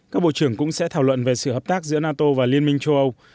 các bộ trưởng cũng sẽ thảo luận về sự hợp tác giữa nato và liên minh châu âu